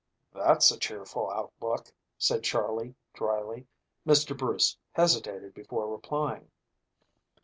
"That's a cheerful outlook," said Charley dryly. Mr. Bruce hesitated before replying.